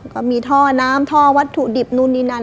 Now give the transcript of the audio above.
ก็มีท่อน้ำท่อวัตถุดิบนู่นนี่นั่น